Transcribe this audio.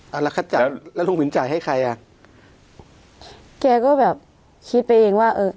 เอาละคัดจ่ายแล้วลุงวินจ่ายให้ใครอ่ะแกก็แบบคิดไปเองว่าเออ